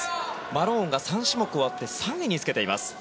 マローンが３種目終わって３位につけています。